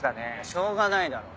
しょうがないだろ。